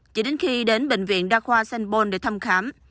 chỉ đến khi đến bệnh viện đa khoa sanbon để thăm khám